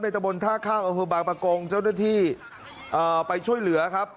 ตะบนท่าข้ามอำเภอบางประกงเจ้าหน้าที่ไปช่วยเหลือครับ